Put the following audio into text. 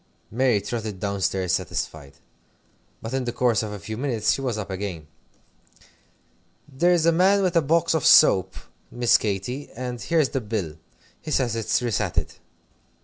Mary trotted down stairs satisfied. But in the course of a few minutes she was up again. "There's a man come with a box of soap, Miss Katy, and here's the bill. He says it's resated."